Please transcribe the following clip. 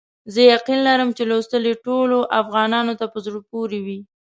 زه یقین لرم چې لوستل یې ټولو افغانانو ته په زړه پوري وي.